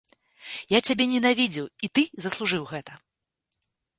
Я цябе ненавідзеў, і ты заслужыў гэта.